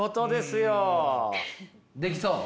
できそう？